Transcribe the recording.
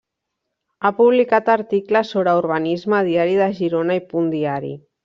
Ha publicat articles sobre urbanisme a Diari de Girona i Punt Diari.